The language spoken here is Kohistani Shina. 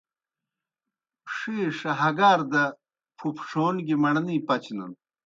ݜِیݜہ ہگار دہ پُھپݜَون گیْ مڑنے پچنَن۔